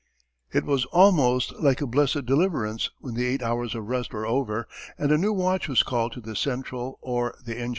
It was almost like a blessed deliverance when the eight hours of rest were over, and a new watch was called to the central or the engine room.